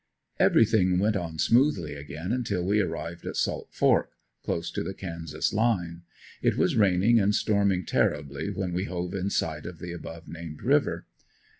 Everything went on smoothly again until we arrived at "Salt Fork" close to the Kansas line. It was raining and storming terribly when we hove in sight of the above named river.